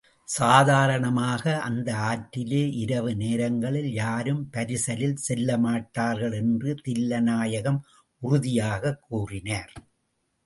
சாதாரணமாக அந்த ஆற்றிலே இரவு நேரங்களில் யாரும் பரிசலில் செல்லமாட்டார்கள் என்று தில்லைநாயகம் உறுதியாகக் கூறினார்.